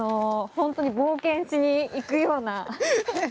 本当に冒険しに行くような。